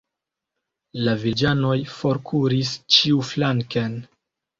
La vilaĝanoj forkuris ĉiuflanken.